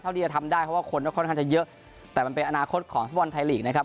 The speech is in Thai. ที่จะทำได้เพราะว่าคนก็ค่อนข้างจะเยอะแต่มันเป็นอนาคตของฟุตบอลไทยลีกนะครับ